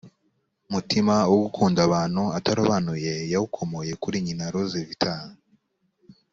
mutima wo gukunda abantu atarobanuye yawukomoye kuri nyina rose vitalli